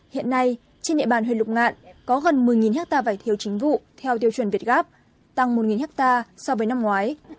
hiện nay trên địa bàn huyện lục ngạn có gần một mươi hectare vải thiều chính vụ theo tiêu chuẩn việt gáp tăng một ha so với năm ngoái